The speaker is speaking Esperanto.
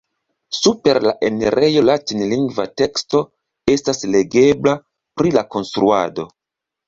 Super la enirejo latinlingva teksto estas legebla pri la konstruado.